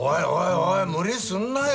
おい無理すんなよ